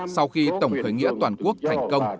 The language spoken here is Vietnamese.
sau khi tổng cởi nghĩa toàn quốc thành công